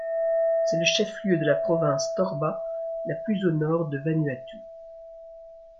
C’est le chef-lieu de la province Torba, la plus au nord du Vanuatu.